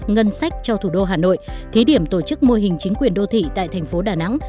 ngân sách cho thủ đô hà nội thí điểm tổ chức mô hình chính quyền đô thị tại thành phố đà nẵng